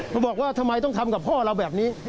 เขาบอกว่าทำไมต้องทำกับพ่อเราแบบนี้